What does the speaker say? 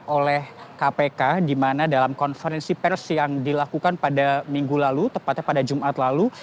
oleh kpk di mana dalam konferensi pers yang dilakukan pada minggu lalu tepatnya pada jumat lalu